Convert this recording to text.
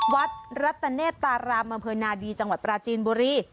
วัดรัตเนตตารามอำเภอนาดีจังหวัดปราจีนบุรี